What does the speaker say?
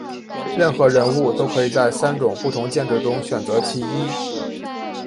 任何人物都可以在三种不同剑质中选择其一。